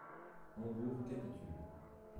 Hambourg capitule.